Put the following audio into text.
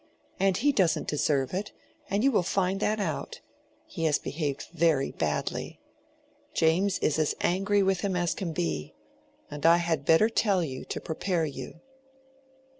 And he doesn't deserve it, and you will find that out. He has behaved very badly. James is as angry with him as can be. And I had better tell you, to prepare you."